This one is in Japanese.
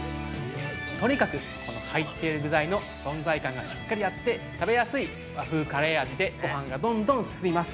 ◆とにかく、この入っている具材の存在感がしっかりあって、食べやすい、和風カレー味でごはんがどんどん進みます。